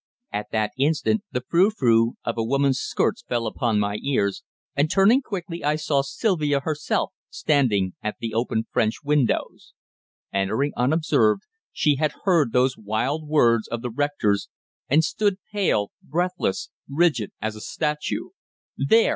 At that instant the frou frou of a woman's skirts fell upon my ears, and, turning quickly, I saw Sylvia herself standing at the open French windows. Entering unobserved she had heard those wild words of the rector's, and stood pale, breathless, rigid as a statue. "There!"